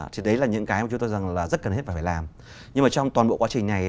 thì đấy là những cái chúng tôi rất cần hết phải làm nhưng mà trong toàn bộ quá trình này